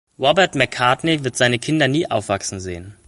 Robert McCartney wird seine Kinder nie aufwachsen sehen.